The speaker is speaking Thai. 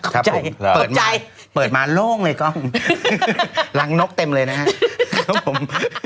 ครับผมเปิดมาโล่งเลยกล้องรังนกเต็มเลยนะฮะครับผม